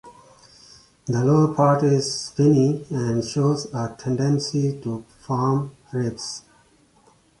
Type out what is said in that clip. The lower part is spiny and shows a tendency to form ribs.